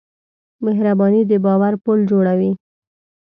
مهرباني د باور پُل جوړوي.